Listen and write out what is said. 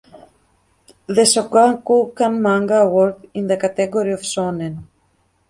The Shōgakukan Manga Award in the category of Shōnen.